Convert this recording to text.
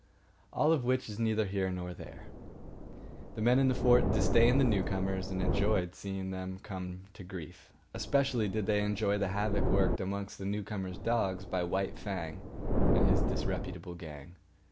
All of which is neither here nor there. The men in the fort disdained the newcomers and enjoyed seeing them come to grief. Especially did they enjoy the havoc worked amongst the newcomers' dogs by White Fang and his disreputable gang.